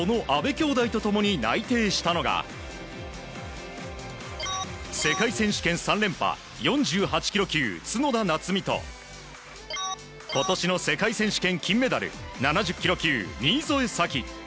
兄妹と共に内定したのが世界選手権３連覇４８ｋｇ級、角田夏実と今年の世界選手権金メダル７０ｋｇ級、新添左季。